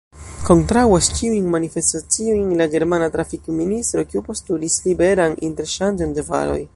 Kontraŭas ĉiujn manifestaciojn la germana trafikministro, kiu postulis liberan interŝanĝon de varoj.